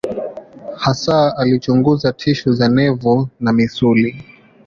Hasa alichunguza tishu za neva na misuli.